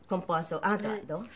あなたはどう？